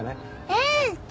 うん！